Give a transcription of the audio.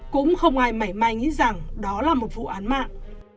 cũng không ai mảy mai nghĩ rằng đó là một vụ án mạng